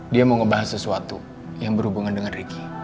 dia mau ngebahas sesuatu yang berhubungan dengan ricky